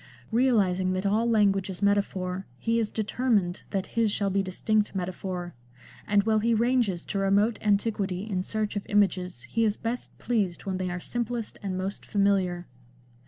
Realising that all language is metaphor he is determined that his shall be distinct metaphor, and while he ranges to remote antiquity in search of images he is best pleased when they are simplest and most familiar.